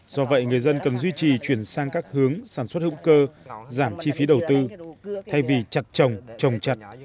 do vậy người dân cần duy trì chuyển sang các hướng sản xuất hữu cơ giảm chi phí đầu tư thay vì chặt trồng trồng chặt